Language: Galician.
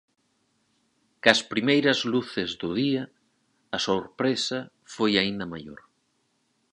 Coas primeiras luces do día, a sorpresa foi aínda maior.